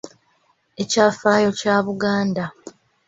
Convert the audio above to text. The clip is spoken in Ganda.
Ekyafaayo kya Buganda.